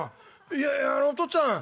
いやあのお父っつぁん。